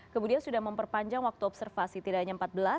kemudian sudah memperpanjang waktu observasi tidak hanya empat belas